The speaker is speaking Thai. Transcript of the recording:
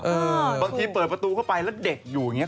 บางทีเปิดประตูเข้าไปแล้วเด็กอยู่อย่างนี้